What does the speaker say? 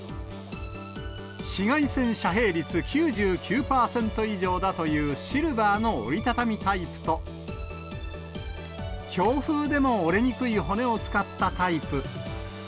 紫外線遮へい率９９％以上だというシルバーの折り畳みタイプと、強風でも折れにくい骨を使ったタイプ。